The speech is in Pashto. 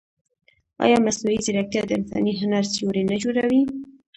ایا مصنوعي ځیرکتیا د انساني هنر سیوری نه جوړوي؟